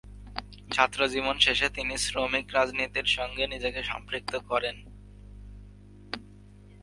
ছাত্র জীবন শেষে তিনি শ্রমিক রাজনীতির সঙ্গে নিজেকে সম্পৃক্ত করেন।